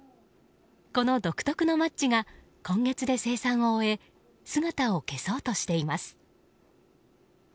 この独特のマッチが今月で生産を終え姿を消そうとしています。